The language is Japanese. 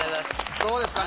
どうですか？